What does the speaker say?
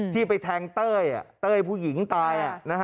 ที่ไปแทงเต้ยเต้ยผู้หญิงตาย